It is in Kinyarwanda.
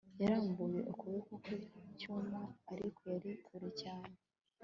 Yarambuye ukuboko ku cyuma ariko cyari kure cyane